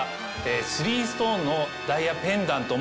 スリーストーンのダイヤペンダント